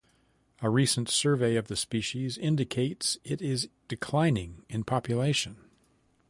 A recent survey of the species indicates it is declining in population.